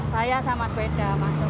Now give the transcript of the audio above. saya sama sepeda masuk